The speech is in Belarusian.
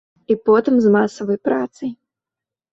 І потым з масавай працай.